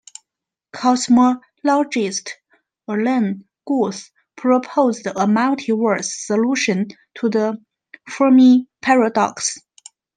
Cosmologist Alan Guth proposed a multi-verse solution to the Fermi paradox.